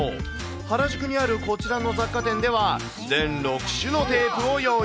原宿にあるこちらの雑貨店では、全６種のテープを用意。